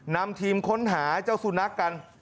นำทีมค้นหาให้เจ้าสู่นักกัน